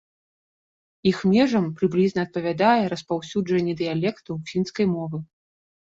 Іх межам прыблізна адпавядае распаўсюджанне дыялектаў фінскай мовы.